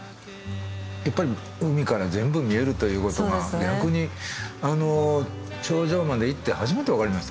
やっぱり海から全部見えるということが逆に頂上まで行って初めて分かりました。